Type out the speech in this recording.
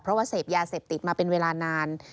เพราะว่าเสพยาเสพติดมาเป็นเวลานาน